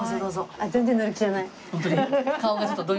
あっ全然乗り気じゃない。